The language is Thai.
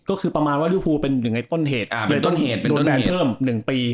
ก็คือประมาณว่าเป็นยังไงต้นเหตุอ่าเป็นต้นเหตุโดนแบนเพิ่มหนึ่งปี